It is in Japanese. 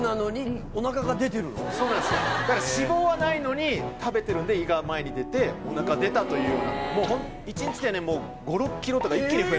だから脂肪はないのに食べてるんで胃が前に出てお腹出たという。え！